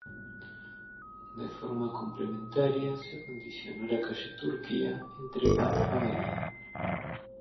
De forma complementaria, se acondicionó la calle Turquía, entre la Av.